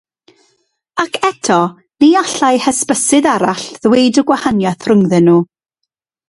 Ac eto, ni allai hysbysydd arall ddweud y gwahaniaeth rhyngddyn nhw.